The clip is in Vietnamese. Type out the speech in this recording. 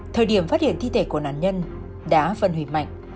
thời điểm phát hiện thi thể của nạn nhân đã phân hủy mạnh